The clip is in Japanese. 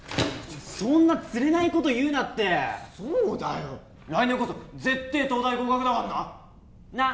そんなつれないこと言うなってそうだよ来年こそ絶対東大合格だかんななっ？